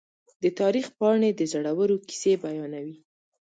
د تاریخ پاڼې د زړورو کیسې بیانوي.